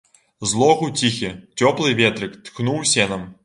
З логу ціхі, цёплы ветрык тхнуў сенам.